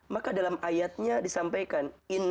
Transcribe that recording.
maka dalam ayatnya disampaikan